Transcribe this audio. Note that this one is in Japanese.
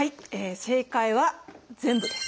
正解は全部です。